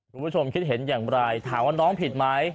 คุณผู้ชมคิดเห็นอย่างไรถามว่าน้องผิดไหม